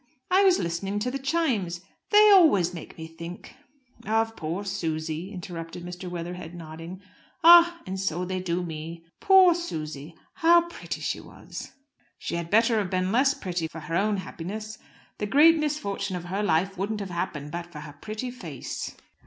I was listening to the chimes. They always make me think " "Of poor Susy," interrupted Mr. Weatherhead, nodding. "Ah! And so they do me. Poor Susy! How pretty she was!" "She had better have been less pretty for her own happiness. The great misfortune of her life wouldn't have happened but for her pretty face."